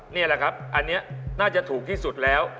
นี่แหละครับอันนี้น่าจะถูกที่สุดแล้ว